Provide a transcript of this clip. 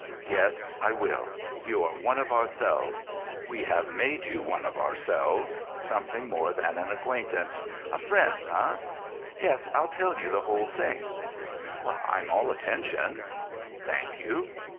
Yes, I will. You are one of ourselves. We have made you one of ourselves—something more than an acquaintance—a friend, eh? Yes, I'll tell you the whole thing." "I am all attention." "Thank you."